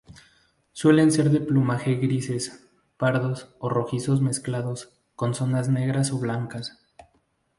Suelen ser de plumaje grises, pardos o rojizos mezclados, con zonas negras o blancas.